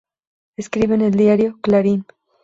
Escribe en el diario "Clarín".